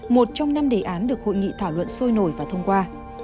một trong năm đề án được hội nghị thảo luận sôi nổi và thông qua